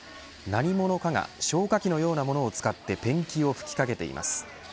何者かが消火器のようなものを使ってペンキを吹きかけています。